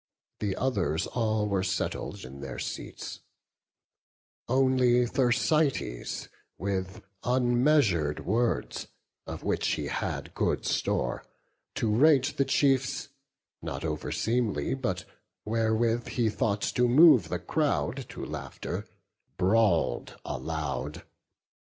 The others all were settled in their seats: Only Thersites, with unmeasur'd words, Of which he had good store, to rate the chiefs, Not over seemly, but wherewith he thought To move the crowd to laughter, brawl'd aloud.